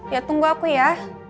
ya tunggu aku ya